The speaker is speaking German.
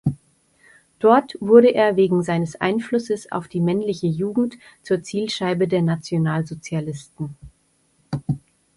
Dort wurde er wegen seines Einflusses auf die männliche Jugend zur Zielscheibe der Nationalsozialisten.